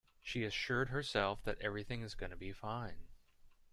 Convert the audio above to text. She assured herself that everything is gonna be fine.